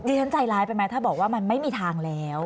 ฉันใจร้ายไปไหมถ้าบอกว่ามันไม่มีทางแล้ว